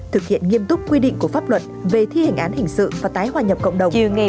thực hiện nghiêm túc quy định của pháp luật về thi hành án hình sự và tái hòa nhập cộng đồng